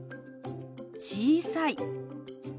「小さい」。